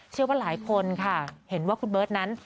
เชื่อว่าหลายคนค่ะเห็นว่าคุณเบิร์ตนั้น